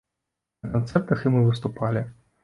На канцэртах і мы выступалі.